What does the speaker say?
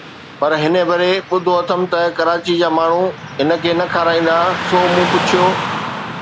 پر هن ڀيري ٻڌو اٿم ته ڪراچيءَ جا ماڻهو هن کي نه کارائيندا، سو مون پڇيو